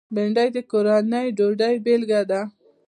بېنډۍ د کورني ډوډۍ بېلګه ده